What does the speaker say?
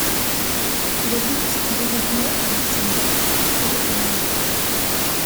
Il habite désormais à Bissendorf, près de Hanovre.